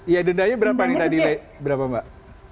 ya dendanya berapa nih tadi berapa mbak